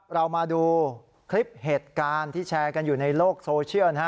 เรามาดูคลิปเหตุการณ์ที่แชร์กันอยู่ในโลกโซเชียลนะฮะ